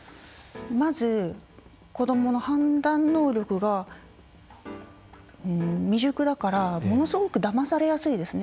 まず、子どもの判断能力が未熟だから、ものすごくだまされやすいですね。